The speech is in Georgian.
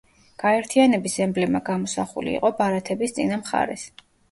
გაერთიანების ემბლემა გამოსახული იყო ბარათების წინა მხარეს.